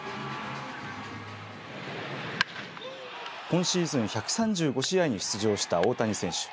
今シーズン１３５試合に出場した大谷選手。